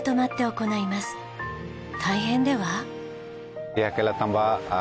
大変では？